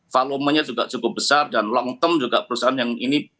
volumenya juga cukup besar dan long term juga perusahaan yang ini